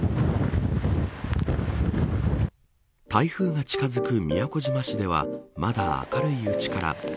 台風が近づく宮古島市ではまだ明るいうちから。